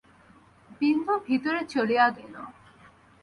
বিন্দু ভিতরে চলিয়া গেল।